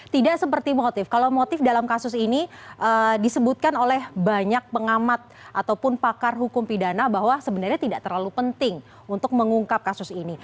tidak seperti motif kalau motif dalam kasus ini disebutkan oleh banyak pengamat ataupun pakar hukum pidana bahwa sebenarnya tidak terlalu penting untuk mengungkap kasus ini